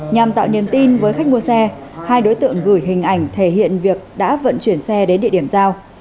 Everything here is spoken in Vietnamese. nhằm tạo niềm tin với khách mua xe hai đối tượng gửi hình ảnh thể hiện việc đã vận chuyển xe đến địa điểm giao